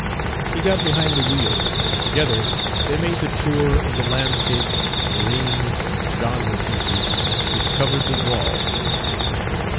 He got behind the wheels, and together they made the tour of the landscapes, marines, and genre pieces which covered the walls.